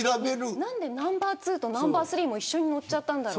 何でナンバー２、ナンバー３も一緒に乗っちゃったんだろう。